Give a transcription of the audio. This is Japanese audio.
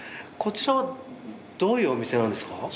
こちらはどういうお店なんですか？